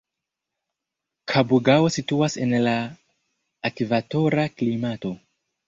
Kabugao situas en la ekvatora klimato.